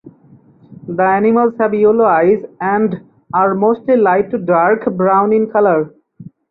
The animals have yellow eyes and are mostly light to dark brown in color.